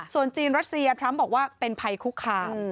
ส่วนจีนรัสเซียทรัมป์บอกว่าเป็นภัยคุกคาม